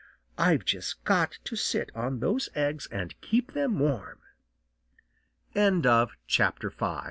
I've just got to sit on those eggs and keep them warm." CHAPTER VI.